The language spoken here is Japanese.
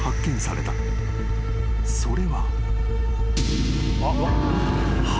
［それは］